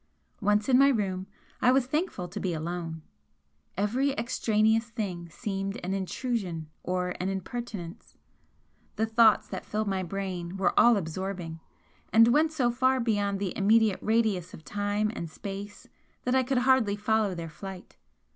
Once in my room, I was thankful to be alone. Every extraneous thing seemed an intrusion or an impertinence, the thoughts that filled my brain were all absorbing, and went so far beyond the immediate radius of time and space that I could hardly follow their flight.